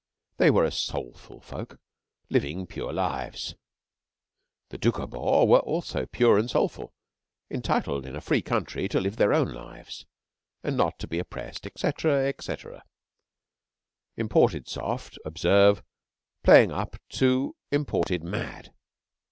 They were a soulful folk, living pure lives. The Doukhobors were also pure and soulful, entitled in a free country to live their own lives, and not to be oppressed, etc. etc. (Imported soft, observe, playing up to Imported mad.)